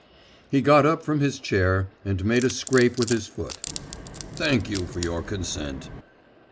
He got up from his chair, and made a scrape with his foot. 'Thank you for your consent.